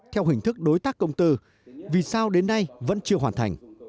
theo hình thức đối tác công tư vì sao đến nay vẫn chưa hoàn thành